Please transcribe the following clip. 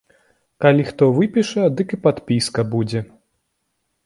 Калі хто выпіша, дык і падпіска будзе.